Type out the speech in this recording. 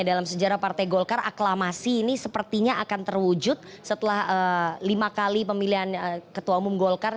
dalam sejarah partai golkar aklamasi ini sepertinya akan terwujud setelah lima kali pemilihan ketua umum golkar